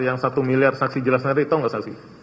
yang satu miliar saksi jelas nanti tau gak saksi